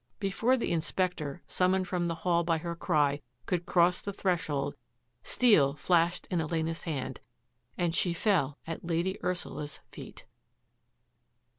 " Before the Inspector, summoned from the hall by her cry, could cross the threshold, steel flashed in Elena's hand and she fell at Lady Ursula's feet.